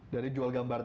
dari jual gambar tadi